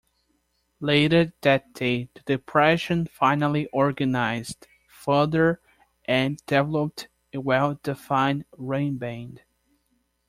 Later that day, the depression finally organized further and developed a well-defined rainband.